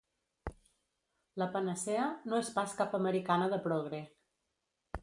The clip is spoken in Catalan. La panacea no és pas cap americana de progre.